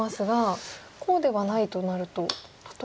こうではないとなると例えば。